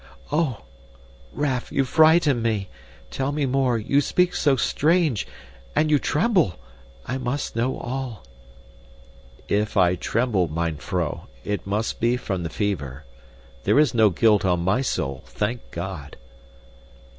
"Oh! Raff, you frighten me. Tell me more, you speak so strange and you tremble. I must know all." "If I tremble, mine vrouw, it must be from the fever. There is no guilt on my soul, thank God!"